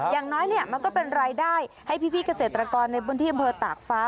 อย่างน้อยเนี่ยมันก็เป็นรายได้ให้พี่เกษตรกรในพื้นที่อำเภอตากฟ้า